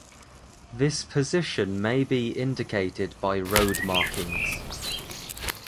This position may be indicated by road markings.